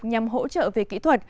nhằm hỗ trợ về kỹ thuật